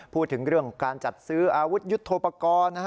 พูดถึงเรื่องการจัดซื้ออาวุธยุทธโปรกรณ์